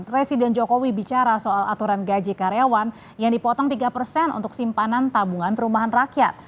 presiden jokowi bicara soal aturan gaji karyawan yang dipotong tiga persen untuk simpanan tabungan perumahan rakyat